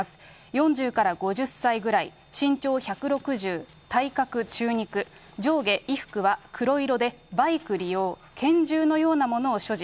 ４０から５０歳ぐらい、身長１６０、体格中肉、上下衣服は黒色で、バイク利用、拳銃のようなものを所持。